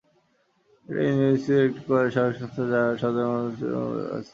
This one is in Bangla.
এটি ওএনজিসি-এর একটি সহায়ক সংস্থা, যার সদর মহারাষ্ট্রের দপ্তর মুম্বইয়ে অবস্থিত।